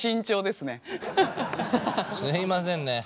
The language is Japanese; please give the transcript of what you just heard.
すみませんね。